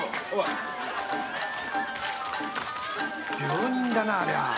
病人だなありゃ。